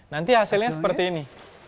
nanti hasilnya seperti ini